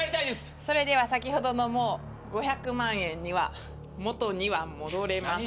それでは先ほどのもう５００万円には元には戻れません。